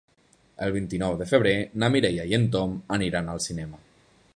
El vint-i-nou de febrer na Mireia i en Tom aniran al cinema.